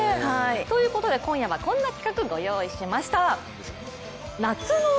ということで今夜はこんな企画、ご用意しました。